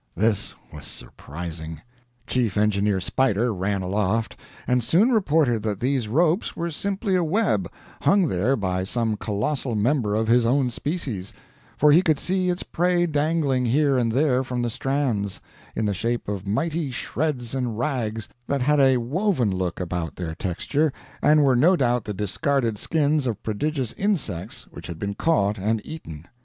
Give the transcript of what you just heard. This was surprising. Chief Engineer Spider ran aloft and soon reported that these ropes were simply a web hung there by some colossal member of his own species, for he could see its prey dangling here and there from the strands, in the shape of mighty shreds and rags that had a woven look about their texture and were no doubt the discarded skins of prodigious insects which had been caught and eaten.